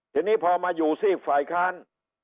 ทีนี้พอมาอยู่ซีกฝ่ายค้าน